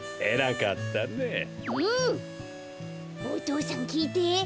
お父さんきいて！